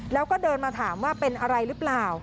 แล้วก็เดินมาถามว่าเป็นอะไรหรือเปล่า